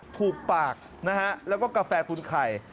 ถูกปากนะฮะแล้วก็กาแฟทุนไข่